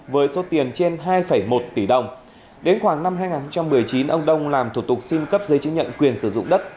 với số tiền trên hai một tỷ đồng đến khoảng năm hai nghìn một mươi chín ông đông làm thủ tục xin cấp giấy chứng nhận quyền sử dụng đất